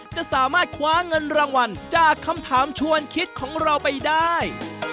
จะสามารถคว้าเงินรางวัลจากคำถามชวนคิดของเราไปได้